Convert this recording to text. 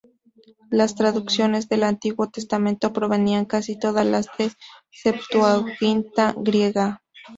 Las traducciones del Antiguo Testamento provenían casi todas de la Septuaginta griega.